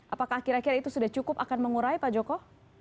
apakah kira kira itu sudah cukup akan mengurai pak joko